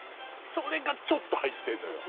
それがちょっと入ってるのよ